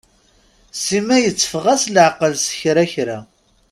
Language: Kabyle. Sima yetteffeɣ-as leɛqel s kra kra.